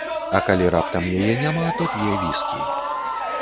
А калі раптам яе няма, то п'е віскі.